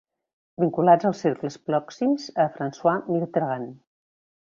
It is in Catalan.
Vinculat als cercles pròxims a François Mitterrand.